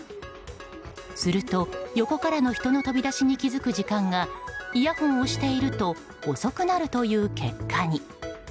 すると横からの人の飛び出しに気付く時間がイヤホンをしていると遅くなるという結果に。